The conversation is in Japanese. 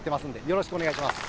よろしくお願いします